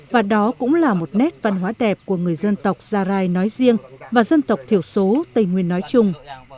và đó cũng là một nét văn hóa đẹp của người dân tộc gia rai nói riêng và dân tộc thiểu số tây nguyên nói chung